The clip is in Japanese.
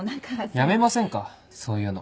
やめませんかそういうの。